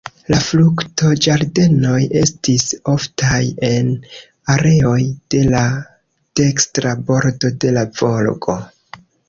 La fruktoĝardenoj estis oftaj en areoj de la dekstra bordo de la Volgo.